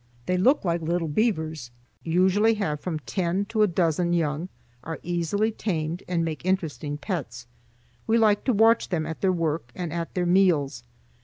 They look like little beavers, usually have from ten to a dozen young, are easily tamed and make interesting pets. We liked to watch them at their work and at their meals.